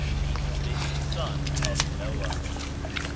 THE OLDEST SON OF NOAH.